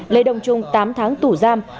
lê đông trung tám tháng tủ giam